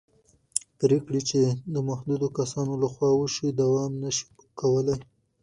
پرېکړې چې د محدودو کسانو له خوا وشي دوام نه شي کولی